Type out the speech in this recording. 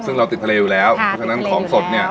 ซึ่งเราติดทะเลอยู่แล้วค่ะติดทะเลอยู่แล้วฉะนั้นของสดเนี่ยค่ะ